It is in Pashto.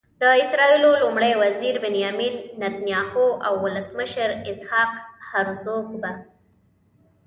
د اسرائیلو لومړي وزير بنیامین نتنیاهو او ولسمشر اسحاق هرزوګ به.